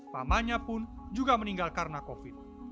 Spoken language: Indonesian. pamannya pun juga meninggal karena covid